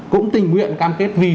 cũng tình nguyện cam kết vì